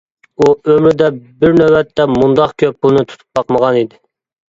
ئۇ ئۆمرىدە بىر نۆۋەتتە مۇنداق كۆپ پۇلنى تۇتۇپ باقمىغانىدى.